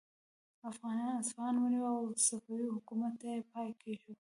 افغانانو اصفهان ونیو او صفوي حکومت ته یې پای کیښود.